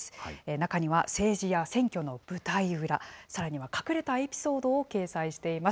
中には、政治や選挙の舞台裏、さらには隠れたエピソードを掲載しています。